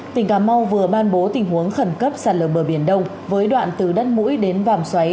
tỉnh cà mau vừa ban bố tình huống khẩn cấp sạt lở bờ biển đông với đoạn từ đất mũi đến vàm xoáy